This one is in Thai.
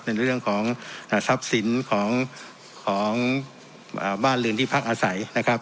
ในเรื่องของอ่าทรัพย์สินของของอ่าบ้านลืนที่พักอาศัยนะครับ